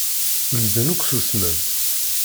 Medden akk ssusmen.